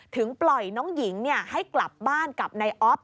ถึงปล่อยน้องหญิงให้กลับบ้านกับนายอ๊อฟ